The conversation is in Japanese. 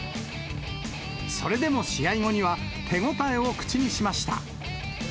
それでも試合後には、手応えを口にしました。